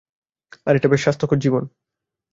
আর এটা বেশ স্বাস্থ্যকর জীবন।